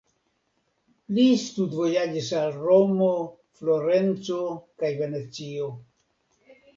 Li studvojaĝis al Romo, Florenco kaj Venecio.